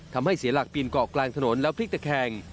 ทำให้เสียหลักปีนเกาะกลางถนนแล้วพลิกตะแคง